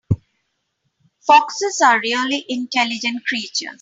Foxes are really intelligent creatures.